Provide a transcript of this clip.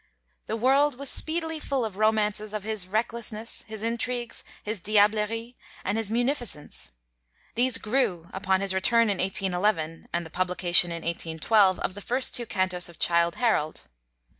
The world was speedily full of romances of his recklessness, his intrigues, his diablerie, and his munificence. These grew, upon his return in 1811 and the publication in 1812 of the first two cantos of 'Childe Harold.'